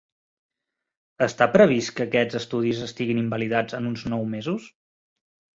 Està previst que aquests estudis estiguin invalidats en uns nou mesos.